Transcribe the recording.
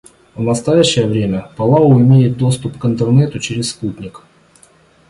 В настоящее время Палау имеет доступ к Интернету через спутник.